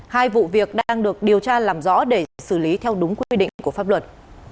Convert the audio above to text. hai vụ việc đang được điều tra làm rõ để xử lý theo đúng quy định của pháp luật